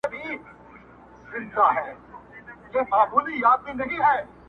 بس هر سړى پر خپله لاره په خپل کار پسې دى ,